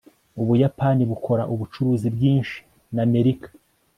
ubuyapani bukora ubucuruzi bwinshi na amerika